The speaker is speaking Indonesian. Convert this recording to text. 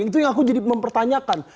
itu yang aku jadi mempertanyakan